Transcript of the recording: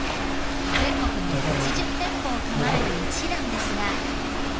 全国に８０店舗を構える一蘭ですが。